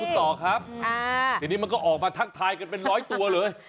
เดี๋ยวนี้มันก็ออกมาทักทายกันเป็นร้อยตัวเลย